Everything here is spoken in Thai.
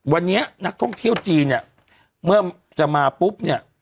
วันนี้นักท่องเที่ยวจีนเนี่ยเมื่อจะมาปุ๊บเนี่ย